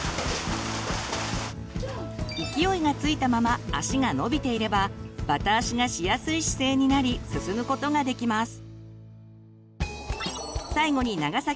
勢いがついたまま足が伸びていればバタ足がしやすい姿勢になり進むことができます。